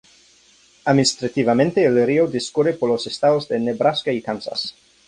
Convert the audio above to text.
Administrativamente, el río discurre por los estados de Nebraska y Kansas.